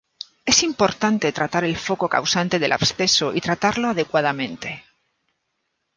Es importante tratar el foco causante del absceso y tratarlo adecuadamente.